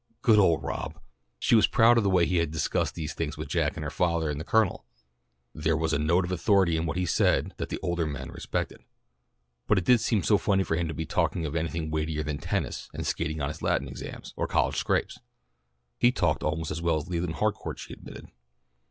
Good old Rob! She was proud of the way he was discussing these things with Jack and her father and the Colonel. There was a note of authority in what he said that the older men respected. But it did seem so funny for him to be talking of anything weightier than tennis and skating and his Latin exams, or college scrapes. He talked almost as well as Leland Harcourt she admitted.